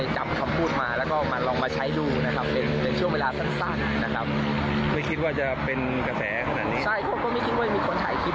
ใช่ครับแล้วก็ไม่คิดว่าก็มีคนถ่ายคลิป